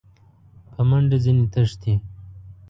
په منډه ځني تښتي !